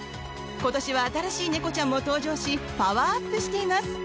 今年は、新しい猫ちゃんも登場しパワーアップしてます。